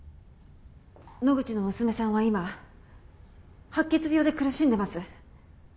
野口の娘さんは今白血病で苦しんでます。